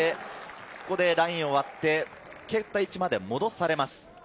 ここでラインを割って、蹴った位置まで戻されます。